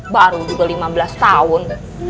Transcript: baru juga lima belas tahun